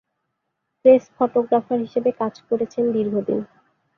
Press photographer হিসেবে কাজ করেছেন দীর্ঘদিন।